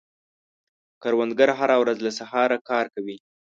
کروندګر هره ورځ له سهاره کار کوي